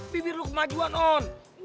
bibir lu kemajuan on